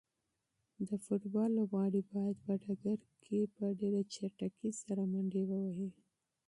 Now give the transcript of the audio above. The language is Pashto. د فوټبال لوبغاړي باید په میدان کې په ډېره چټکۍ سره منډې ووهي.